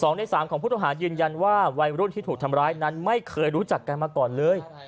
ในสามของผู้ต้องหายืนยันว่าวัยรุ่นที่ถูกทำร้ายนั้นไม่เคยรู้จักกันมาก่อนเลย